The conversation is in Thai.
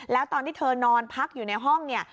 แล้วตอนที่เธอนอนพักอยู่ในห้องเนี่ย